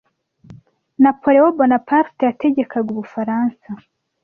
Napoleon Bonaparte yategekaga Ubufaransa